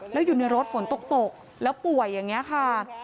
แล้วอยู่ในรถฝนตกแล้วป่วยอย่างนี้ค่ะ